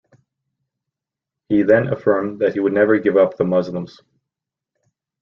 He then affirmed that he would never give up the Muslims.